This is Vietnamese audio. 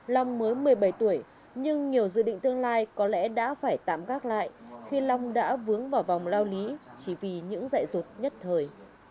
long mới một mươi bảy tuổi nhưng nhiều dự định tương lai có lẽ đã phải tạm gác lại khi long đã vướng vào vòng lao lý chỉ vì những dạy rụt nhất thời